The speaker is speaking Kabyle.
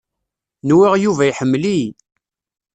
Nwiɣ Yuba iḥemmel-iyi.